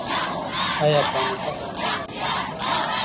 ایا پاني پت ته تلل اسانه کار و؟